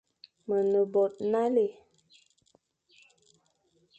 Me ne bo nale,